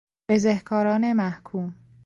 بزهکاران محکوم